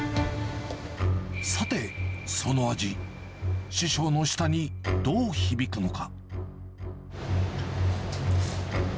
さて、その味、師匠の舌にどう響くのか。